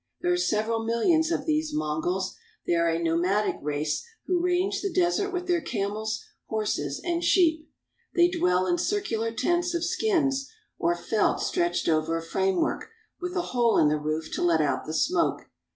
There are several millions of these Mongols. They are a nomadic race who range the desert with their camels, horses, and sheep. They dwell in circular tents of skins or felt stretched over a framework, with a hole in the roof to let out the smoke.